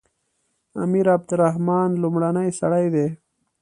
امیر عبدالرحمن لومړنی سړی دی.